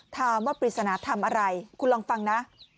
ถามว่าปริศนธรรมอะไรคุณลองฟังนะ